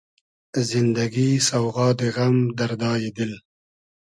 زیندئگی سۆغادی غئم , دئردای دیل